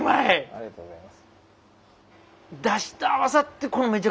ありがとうございます。